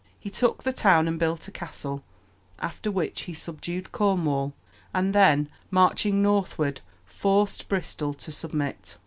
He took the town and built a castle, after which he subdued Cornwall, and then marching northward forced Bristol to submit.